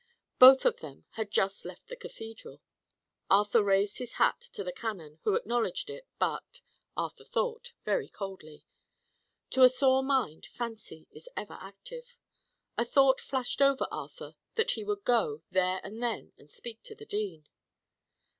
Both of them had just left the Cathedral. Arthur raised his hat to the canon, who acknowledged it, but Arthur thought very coldly. To a sore mind, fancy is ever active. A thought flashed over Arthur that he would go, there and then, and speak to the dean.